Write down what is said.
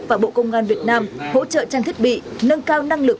và bộ công an việt nam hỗ trợ trang thiết bị nâng cao năng lực